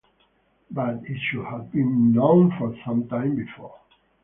But it should have been known for some time before.